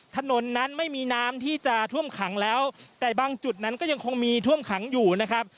ถนนนั้นไม่มีน้ำที่จะท่วมขังแล้วแต่บางจุดนั้นก็ยังคงมีท่วมขังอยู่นะครับ